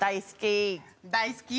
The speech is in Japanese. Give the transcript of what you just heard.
大好き！